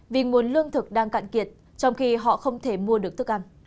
vì nguồn lương thực đang cạn kiệt trong khi họ không thể mua được thức ăn